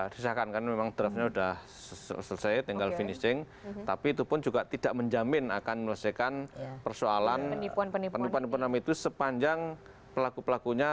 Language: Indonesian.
menjamin akan menyelesaikan persoalan penipuan penipuan penipuan penipuan itu sepanjang pelaku pelakunya